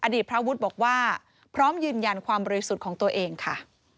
พระวุฒิบอกว่าพร้อมยืนยันความบริสุทธิ์ของตัวเองค่ะ